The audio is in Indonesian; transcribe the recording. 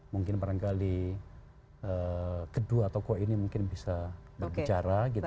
mungkin barangkali kedua tokoh ini mungkin bisa berbicara gitu